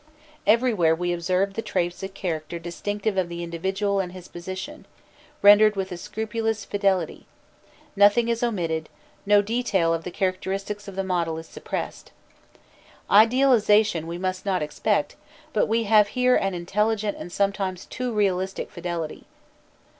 Everywhere we observe the traits of character distinctive of the individual and his position, rendered with a scrupulous fidelity: nothing is omitted, no detail of the characteristics of the model is suppressed. Idealisation we must not expect, but we have here an intelligent and sometimes too realistic fidelity.